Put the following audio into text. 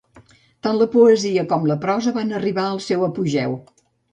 Tant la poesia com la prosa van arribar al seu apogeu.